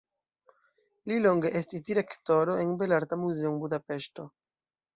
Li longe estis direktoro en Belarta Muzeo en Budapeŝto.